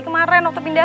kemaren waktu pindahan